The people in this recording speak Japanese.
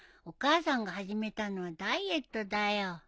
お母さんが始めたのはダイエットだよ。